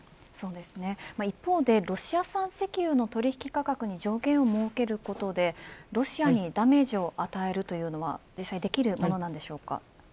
一方でロシア産石油の取引価格に上限を設けることでロシアにダメージを与えるというのは、実際できるものなんでしょうか。